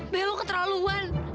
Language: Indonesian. bel lu keterlaluan